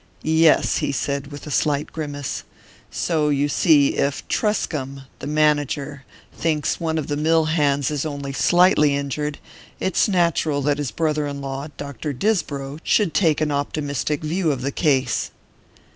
"Yes," he said with a slight grimace. "So you see, if Truscomb the manager thinks one of the mill hands is only slightly injured, it's natural that his brother in law, Dr. Disbrow, should take an optimistic view of the case."